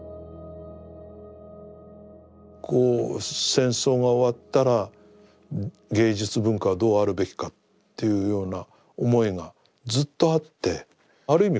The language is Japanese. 戦争が終わったら芸術文化はどうあるべきかというような思いがずっとあってある意味